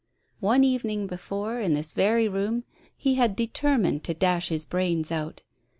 One evening before, in this very room, he had determined to dash his brains out.